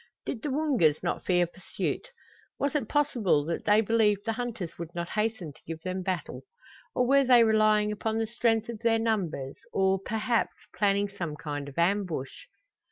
Did the Woongas not fear pursuit? Was it possible that they believed the hunters would not hasten to give them battle? Or were they relying upon the strength of their numbers, or, perhaps, planning some kind of ambush?